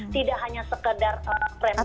tidak hanya sekedar prem dimulai